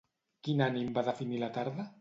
Quin ànim va definir la tarda?